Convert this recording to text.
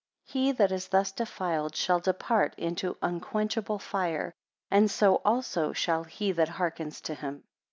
3 He that is thus defiled, shall depart into unquenchable fire, and so also shall he that hearkens to him.